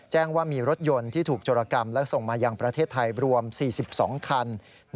แจ้งว่ามีรถยนต์ที่ถูกโจรกรรมและส่งมายังประเทศไทยรวม๔๒คัน